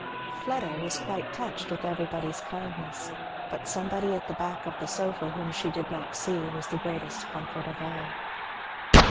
Fleda was quite touched with everybody's kindness, but somebody at the back of the sofa whom she did not see was the greatest comfort of all.